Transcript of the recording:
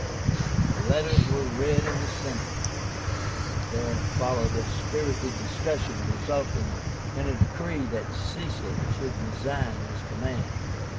The letters were read in the Senate, and there followed a spirited discussion, resulting in a decree that Caesar should resign his command.